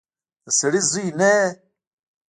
د سړي زوی نه يې.